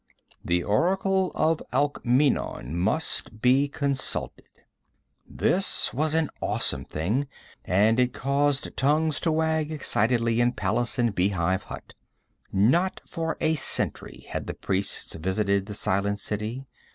The oracle of Alkmeenon must be consulted. This was an awesome thing, and it caused tongues to wag excitedly in palace and bee hive hut. Not for a century had the priests visited the silent city.